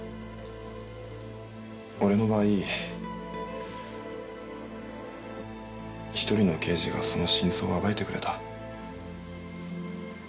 俺の場合１人の刑事がその真相を暴いてくれた。